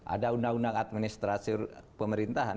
ada undang undang administrasi pemerintahan